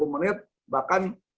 sembilan puluh menit bahkan